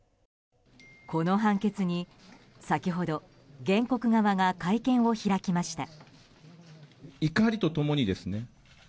この判決に、先ほど原告側が会見を開きました。